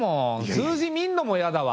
数字見るのもいやだわ。